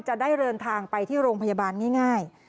จะได้เดินทางไปที่โรงพยาบาลง่าย